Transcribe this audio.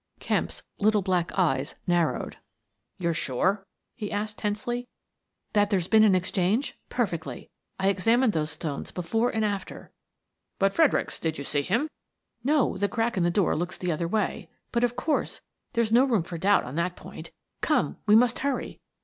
Kemp's little black eyes narrowed. "You're sure?" he asked, tensely. "That there's been an exchange? Perfectly. I examined the stones before and after." " But Fredericks — did you see him?" " No; the crack in the door looks the other way; but, of course, there's no room for doubt on that point. Come, we must hurry